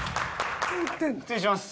失礼します。